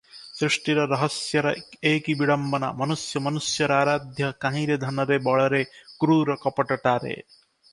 ସୃଷ୍ଟିର ରହସ୍ୟରେ ଏକି ବିଡ଼ମ୍ବନା! ମନୁଷ୍ୟ ମନୁଷ୍ୟର ଆରାଧ୍ୟ- କାହିଁରେ ଧନରେ ବଳରେ- କ୍ରୁର- କପଟତାରେ ।